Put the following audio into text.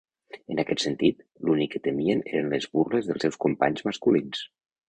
En aquest sentit, l'únic que temien eren les burles dels seus companys masculins.